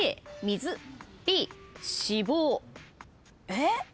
えっ？